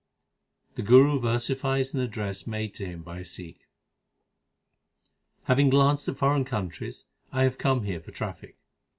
The Guru versifies an address made to him by a Sikh : Having glanced at foreign countries I have come here for traffic.